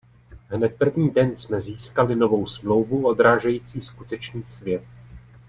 Hned první den jsme získali novou smlouvu odrážející skutečný svět.